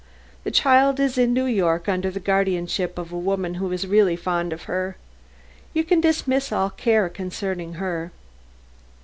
The child is in New York under the guardianship of a woman who is really fond of her. You can dismiss all care concerning her."